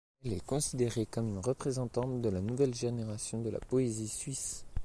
Elle est considérée comme une représentante de la nouvelle génération de la poésie suisse.